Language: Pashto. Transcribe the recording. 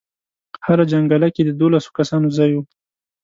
هره جنګله کې د دولسو کسانو ځای و.